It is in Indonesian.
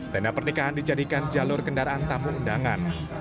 tenda pernikahan dijadikan jalur kendaraan tamu undangan